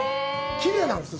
きれいなんですよ。